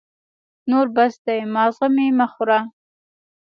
نور بس دی ، ماغزه مي مه خوره !